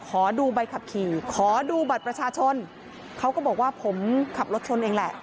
ขอดูใบขับขี่ขอดูบัตรประชาชนเขาก็บอกว่าผมขับรถชนเองแหละ